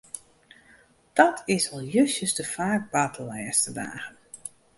Dat is al justjes te faak bard de lêste dagen.